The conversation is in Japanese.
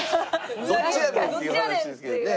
どっちやねんっていう話ですけどね。